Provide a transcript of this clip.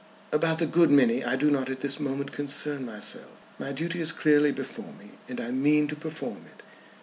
"About the good many I do not at this moment concern myself. My duty is clearly before me and I mean to perform it.